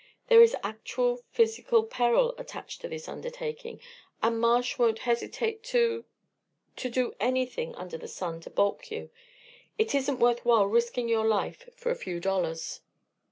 There is actual physical peril attached to this undertaking, and Marsh won't hesitate to to do anything under the sun to balk you. It isn't worth while risking your life for a few dollars."